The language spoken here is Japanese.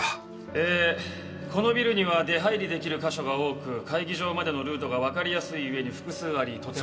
えーこのビルには出入り出来る箇所が多く会議場までのルートがわかりやすいうえに複数ありとても。